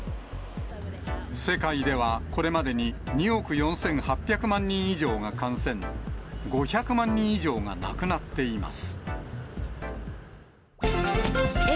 世界ではこれまでに２億４８００万人以上が感染、５００万人以上が亡くなっています。